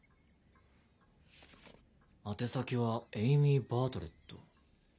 宛先はエイミー・バートレット。